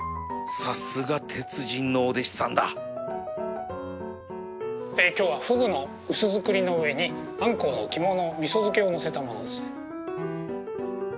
さすが鉄人のお弟子さんだ今日はふぐの薄造りの上にあんこうの肝のみそ漬けをのせたものです。